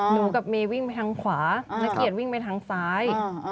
หนูกับเมย์วิ่งไปทางขวานักเกียรติวิ่งไปทางซ้าย